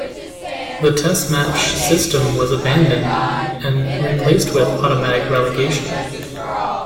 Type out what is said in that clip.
The "test match" system was abandoned and replaced with automatic relegation.